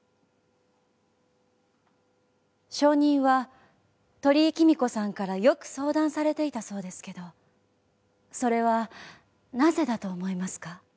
証人は鳥居貴美子さんからよく相談されていたそうですけどそれはなぜだと思いますか？